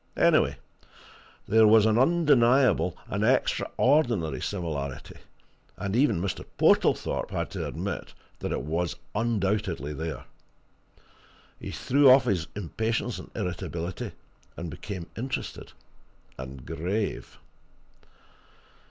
Anyway, there was an undeniable, an extraordinary similarity, and even Mr. Portlethorpe had to admit that it was undoubtedly there. He threw off his impatience and irritability, and became interested and grave.